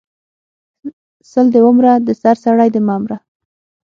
سل دی ومره د سر سړی د مه مره